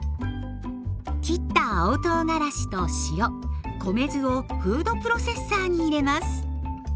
切った青とうがらしと塩米酢をフードプロセッサーに入れます。